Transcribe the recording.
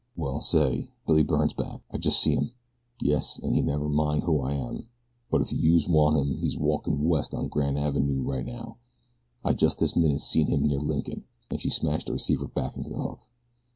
"Well say, Billy Byrne's back. I just see him." "Yes an' never mind who I am; but if youse guys want him he's walkin' west on Grand Avenoo right now. I just this minute seen him near Lincoln," and she smashed the receiver back into its hook.